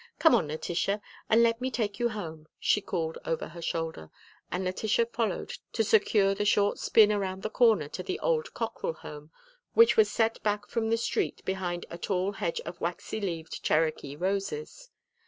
"Come on, Letitia, and let me take you home," she called over her shoulder, and Letitia followed to secure the short spin around the corner to the old Cockrell home, which was set back from the street behind a tall hedge of waxy leaved Cherokee roses.